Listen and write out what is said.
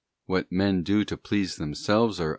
What men do to please themselves or others * S.